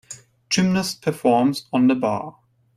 Gymnast performs on the bar